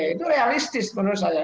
itu realistis menurut saya